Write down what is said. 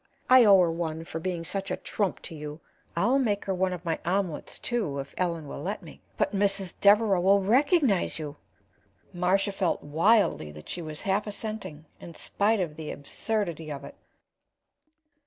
I owe her one for being such a trump to you. I'll make her one of my omelets, too, if Ellen will let me." "But Mrs. Devereaux will recognize you!" Marcia felt wildly that she was half assenting, in spite of the absurdity of it.